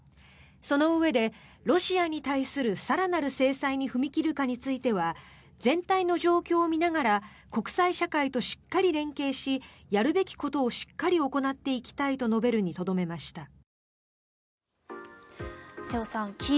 そのうえでロシアに対する更なる制裁に踏み切るかについては全体の状況を見ながら国際社会としっかり連携しやるべきことをしっかり行っていきたいに述べるにとどめました。